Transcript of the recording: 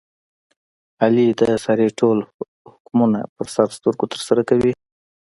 علي د سارې ټول حکمونه په سر سترګو ترسره کوي.